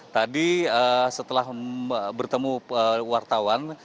tadi setelah bertemu wartawan